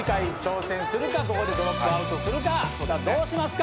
どうしますか？